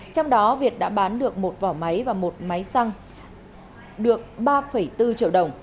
trong đó việt đã bán được một vỏ máy và một máy xăng được ba bốn triệu đồng